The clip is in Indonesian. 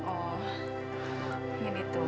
oh ini tuh